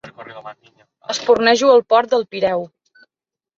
Espurnejo pel port del Pireu.